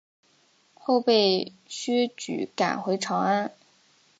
后被薛举赶回长安。